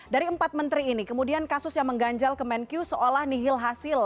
dari empat menteri ini kemudian kasus yang mengganjal kemenkyu seolah nihil hasil